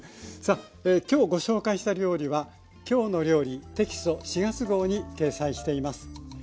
今日ご紹介した料理は「きょうの料理」テキスト４月号に掲載しています。